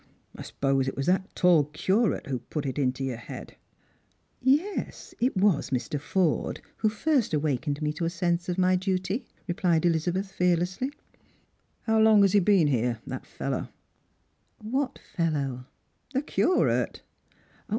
" I suppose it was that tall Curate who put it into your head ?"" Yes ; it was Mr. Forde who first awakened me to a sense of my duty," replied Elizabeth fearlessly. " How long has he been here, that fellow ?" "AYhat fellow?" "The Curate."